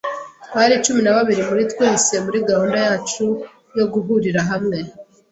Twari cumi na babiri muri twese muri gahunda yacu yo guhurira hamwe.